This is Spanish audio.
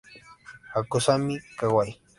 Kazumi Kawai